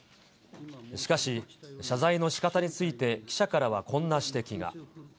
しかし、謝罪のしかたについて記者からはこんな指摘が。